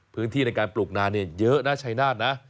พื้นที่ในการปลูกนานเยอะนะชัยนาธนะ